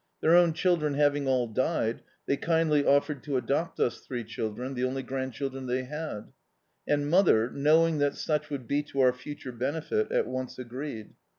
Their own duldren having all died, they kindly offered to adopt us three children, the only grandchildren they had; and mother, knowing that such would be to our future benefit, at once agreed.